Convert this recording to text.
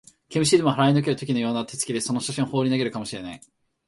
毛虫でも払いのける時のような手つきで、その写真をほうり投げるかも知れない